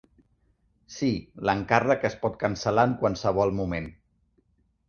Sí, l'encàrrec es pot cancel·lar en qualsevol moment.